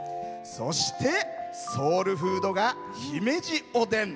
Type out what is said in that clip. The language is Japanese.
そして、ソウルフードが姫路おでん。